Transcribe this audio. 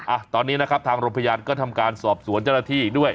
อ่ะตอนนี้นะครับทางโรงพยาบาลก็ทำการสอบสวนเจ้าหน้าที่ด้วย